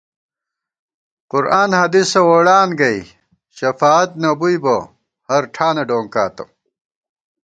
قرآن حدیثہ ووڑان گئ، شفاعت نہ بُوئی بہ ہرٹھانہ ڈونکاتہ